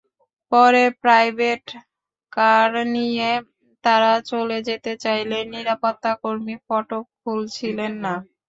পরে private car নিয়ে তারা চলে যেতে চাইলে নিরাপত্তাকর্মী ফটক খুলছিলেন না।